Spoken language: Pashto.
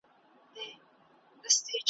نه په یوې نه غوبل کي سرګردان وو `